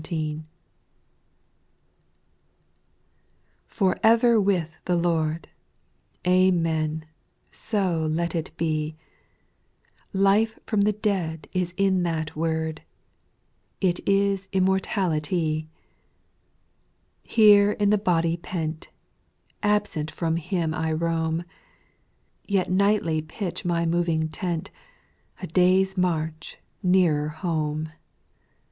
TIOR ever with the Lord I Jl Amen, so let it be I Life from the dead is in that word, 'T is immortality. 2. Here in the body pent. Absent from Him I roam. Yet nightly pitch my moving tent A day's march nearer home.